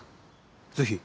ぜひ。